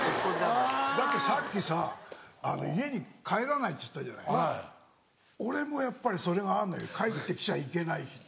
だってさっきさ「家に帰らない」っつったじゃない。俺もやっぱりそれがあんのよ帰って来ちゃいけない日って。